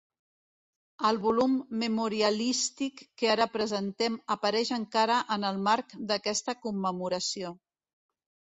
El volum memorialístic que ara presentem apareix encara en el marc d’aquesta commemoració.